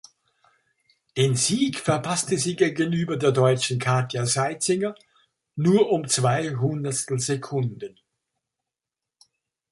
Den Sieg verpasste sie gegenüber der Deutschen Katja Seizinger nur um zwei Hundertstelsekunden.